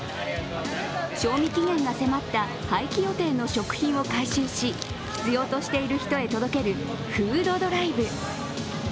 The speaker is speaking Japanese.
賞味期限が迫った廃棄予定の食品を回収し必要としている人へ届けるフードドライブ。